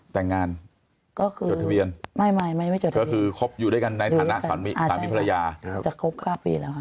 จังงานไม่ไม่ไม่จะคบอยู่ด้วยกันในฐานะสัมิภรรยาจะครบ๙ปีแล้ว